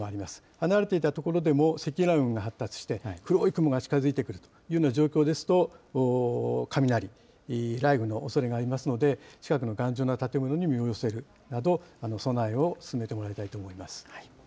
離れていた所でも積乱雲が発生して、黒い雲が近づいてくるというような状況ですと、雷、雷雨のおそれがありますので、近くの頑丈な建物に身を寄せるなど、備えを進めてもらいたいと思います。